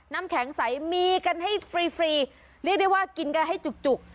น้ำแข็งใสมีกันให้ฟรีฟรีเรียกได้ว่ากินกันให้จุก